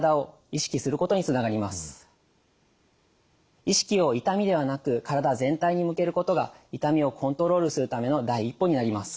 意識を「痛み」ではなく「からだ全体」に向けることが痛みをコントロールするための第一歩になります。